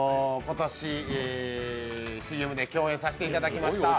今年、ＣＭで共演させていただきました